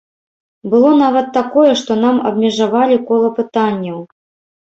Было нават такое, што нам абмежавалі кола пытанняў.